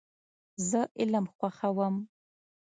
زه علم خوښوم .